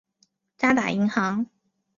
渣打银行。